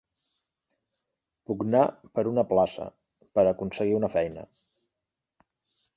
Pugnar per una plaça, per aconseguir una feina.